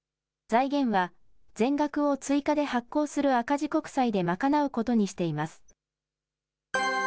財源は、全額を追加で発行する赤字国債で賄うことにしています。